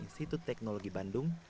dan institut teknologi bandung